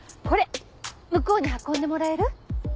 これ向こうに運んでもらえる？